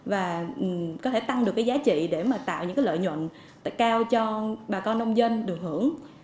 và có thể tăng được cái giá trị để mà tạo những cái lợi nhuận cao cho bà con nông dân được hưởng